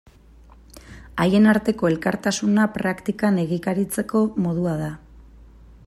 Haien arteko elkartasuna praktikan egikaritzeko modua da.